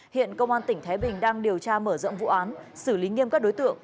hiện công an tỉnh thái bình đang điều tra mở rộng vụ án xử lý nghiêm các đối tượng